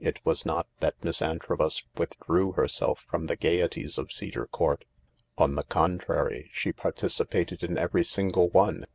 It was not that Miss Antrobus withdrew herself from the gaieties of Cedar Court : on the contrary, she participated in every single one.